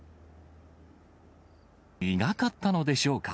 苦かったのでしょうか？